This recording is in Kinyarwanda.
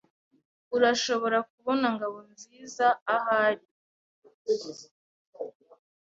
Urashobora kubona Ngabonziza ahari.